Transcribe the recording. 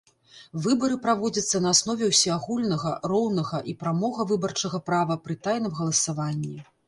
Выбары праводзяцца на аснове ўсеагульнага, роўнага і прамога выбарчага права пры тайным галасаванні.